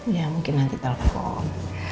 ya mungkin nanti telfon